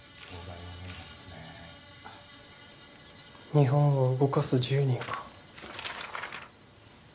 「日本を動かす１０人」か。